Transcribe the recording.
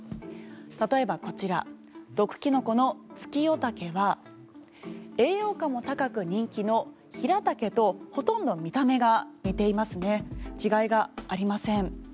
例えば、こちら毒キノコのツキヨタケは栄養価も高く人気のヒラタケとほとんど見た目違いがありません。